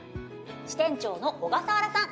支店長の小笠原さん